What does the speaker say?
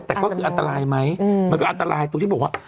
แต่ก็คืออันตรายไหมมันก็อันตรายตรงที่บอกว่า